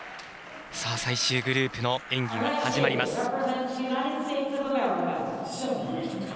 最終グループの演技が始まります。